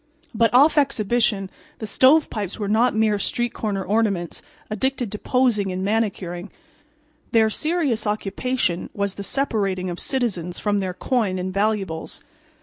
But off exhibition the "Stovepipes" were not mere street corner ornaments addicted to posing and manicuring. Their serious occupation was the separating of citizens from their coin and valuables.